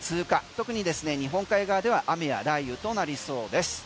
特にですね日本海側では雨や雷雨となりそうです。